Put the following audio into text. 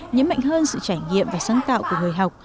nhấn mạnh hơn sự trải nghiệm và sáng tạo của người học